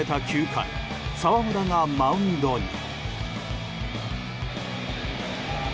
９回澤村がマウンドに。